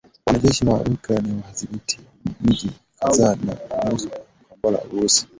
Wanajeshi wa Ukraine wadhibithi miji kadhaa na kurusha kombora Urusi